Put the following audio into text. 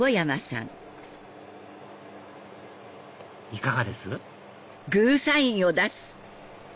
いかがです？